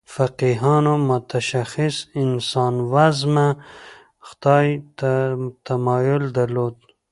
فقیهانو متشخص انسانوزمه خدای ته تمایل درلود.